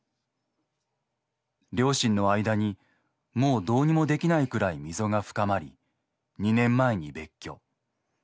両親の間にもうどうにもできないくらい溝が深まり２年前に別居。